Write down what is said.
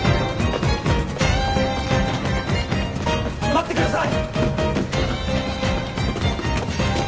待ってください！